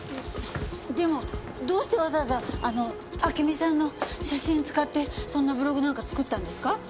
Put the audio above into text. でもどうしてわざわざあの暁美さんの写真使ってそんなブログなんか作ったんですか？